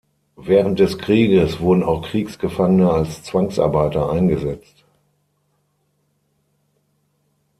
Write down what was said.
Während des Krieges wurden auch Kriegsgefangene als Zwangsarbeiter eingesetzt.